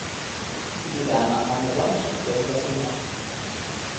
Gyvena Amazonės upės baseine.